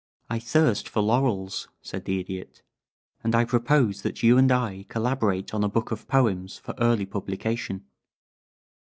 '" "I thirst for laurels," said the Idiot, "and I propose that you and I collaborate on a book of poems for early publication.